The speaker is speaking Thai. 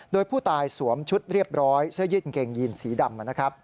โดยผู้ตายสวมชุดเรียบร้อยเสื้อยืดกางเกงยีนสีดำนะครับ